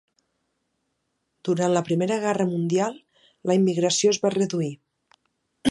Durant la Primera Guerra Mundial, la immigració es va reduir.